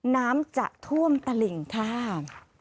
น้ำจะท่วมตลิ่งค่ะ